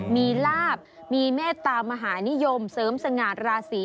มีลาบมีเมตตามหานิยมเสริมสง่าราศี